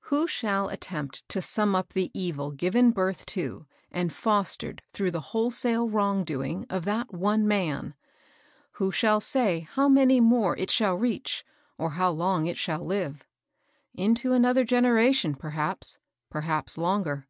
Who shall attempt to sum up the evil given birth to and fostered through the wholesale wrong doing of that one man ? Who shall say how many more it shall reach, or how long it shall live ? Into another generation perhaps, — perhaps longer.